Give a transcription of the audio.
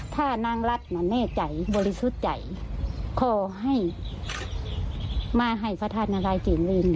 ท่านางรัดเน่ใจบริสุทธิ์ใจโค้ลให้มาให้พระท่านพระธาตุนารายจีนเรง